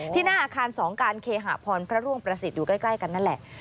หน้าอาคารสงการเคหะพรพระร่วงประสิทธิ์อยู่ใกล้กันนั่นแหละ